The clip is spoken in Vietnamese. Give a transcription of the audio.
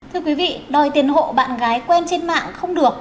thưa quý vị đòi tiền hộ bạn gái quen trên mạng không được